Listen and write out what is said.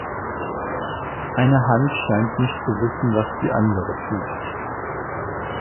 Eine Hand scheint nicht zu wissen, was die andere tut.